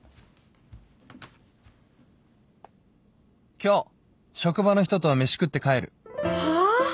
「今日職場の人と飯食って帰る」はあ？